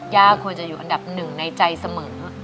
ควรจะอยู่อันดับหนึ่งในใจเสมอ